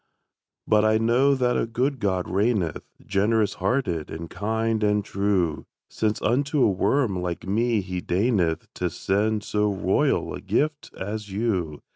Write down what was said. But I know that a good God reigneth, Generous hearted and kind and true; Since unto a worm like me he deigneth To send so royal a gift as you.